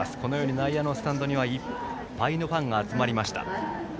内野のスタンドにはいっぱいのファンが集まりました。